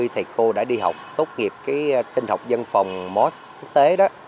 bảy mươi thầy cô đã đi học tốt nghiệp tinh học dân phòng moss quốc tế